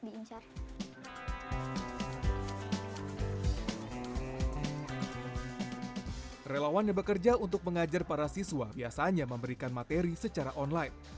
diincar relawan yang bekerja untuk mengajar para siswa biasanya memberikan materi secara online